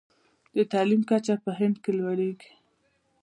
د تعلیم کچه په هند کې لوړیږي.